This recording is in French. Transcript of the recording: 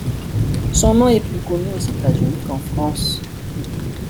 Son nom est plus connu aux États-Unis qu'en France.